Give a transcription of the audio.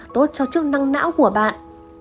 tốt cho chức năng não của bạn